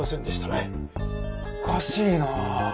おかしいなあ。